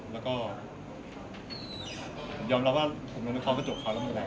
แล้วก็ยอมรับว่าผมก็มาเข้ากระจกเขาแล้วมันแหละ